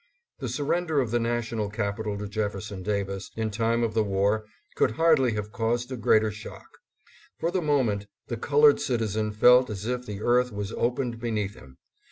The surrender of the national capital to Jefferson Davis in time of the war could hardly have caused a greater shock. For the moment the colored citizen felt as if the earth was opened beneath him.